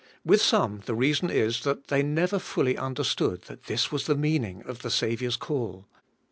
With some the reason is, that they never fully understood that this was the meaning of the Saviour's call.